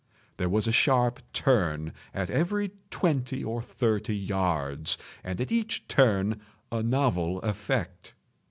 There was a sharp turn at every twenty or thirty yards, and at each turn a novel effect.